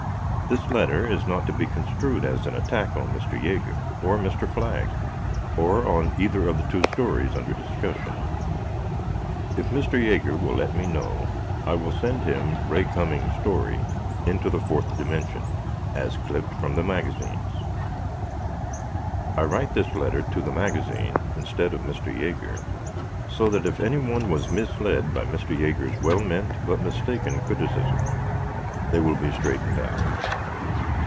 This letter is not to be construed as an attack on Mr. Jaeger, or Mr. Flagg, or on either of the two stories under discussion. If Mr. Jaeger will let me know I will send him Ray Cumming's story "Into the Fourth Dimension," as clipped from the magazines. I write this letter to the magazine, instead of Mr. Jaeger, so that if any one was misled by Mr. Jaeger's well meant but mistaken criticism they will be straightened out.